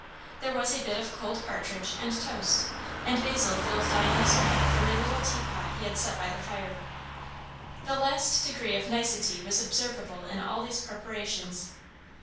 There was a bit of cold partridge, and toast; and Basil filled Diana's cup from a little teapot he had set by the fire. The last degree of nicety was observable in all these preparations.